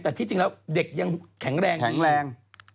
แต่ที่จริงแล้วเด็กยังแข็งแรง